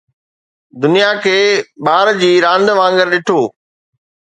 دنيا کي ٻار جي راند وانگر ڏٺو